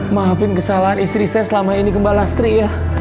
maafin kesalahan istri saya selama ini ke mba lastri ya